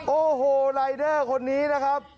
โอ้โหรายเดอร์คนนี้นะครับ